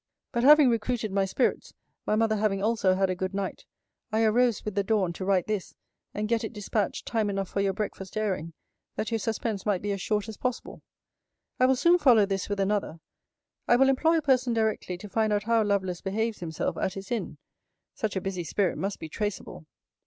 But having recruited my spirits, my mother having also had a good night, I arose with the dawn, to write this, and get it dispatched time enough for your breakfast airing; that your suspense might be as short as possible. I will soon follow this with another. I will employ a person directly to find out how Lovelace behaves himself at his inn. Such a busy spirit must be traceable.